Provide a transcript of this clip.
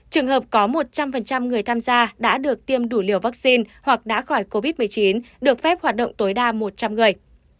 trường hợp có một trăm linh người tham gia đã được tiêm đủ liều vaccine hoặc đã khỏi covid một mươi chín được phép hoạt động tối đa một trăm linh người